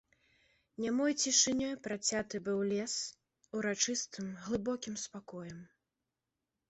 Нямой цішынёй працяты быў лес, урачыстым глыбокім спакоем.